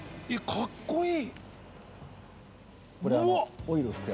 かっこいい！